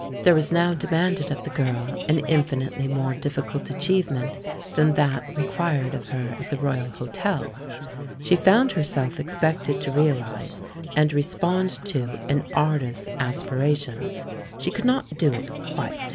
There was now demanded of the girl an infin itely more difficult achievement than that re quired of her at the Royal Hotel ; she found her self expected to realise, and respond to an artist's aspirations. She could not do it, quite.